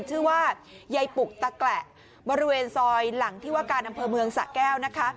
ชื่อว่ายายปุกตะแกละบริเวณซอยหลังที่ว่าการอำเภอเมืองสะแก้วนะคะ